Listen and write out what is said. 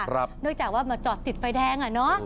เนื่องจากว่ามาจอดติดไฟแดงอ่ะเนอะ